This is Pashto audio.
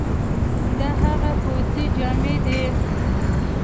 دا هغه پوځي جامي دي،